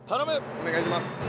お願いします。